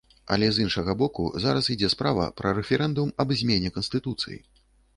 Але з іншага боку, зараз ідзе справа пра рэферэндум аб змене канстытуцыі.